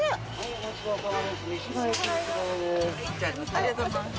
ありがとうございます。